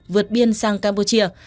vượt biên sang campuchia